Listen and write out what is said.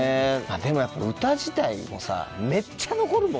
でもやっぱ歌自体もさめっちゃ残るもんね。